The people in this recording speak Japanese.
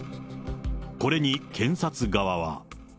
これに検察側は。